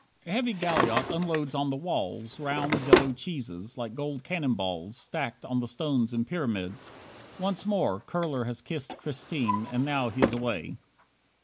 A heavy galliot unloads on the walls Round, yellow cheeses, like gold cannon balls Stacked on the stones in pyramids. Once more Kurler has kissed Christine, and now he is away.